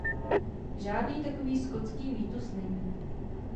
Žádný takový skotský mýtus není.